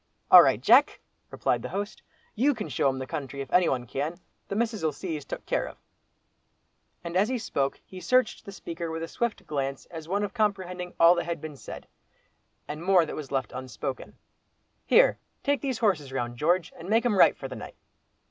"All right, Jack!" replied the host. "You can show him the country, if any one can—the missus'll see he's took care of," and as he spoke he searched the speaker with a swift glance as of one comprehending all that had been said, and more that was left unspoken. "Here, take these horses round, George, and make 'em right for the night."